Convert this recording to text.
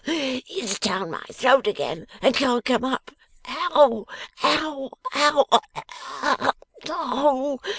Ugh! It's down my throat again and can't come up. Ow! Ow! Ow!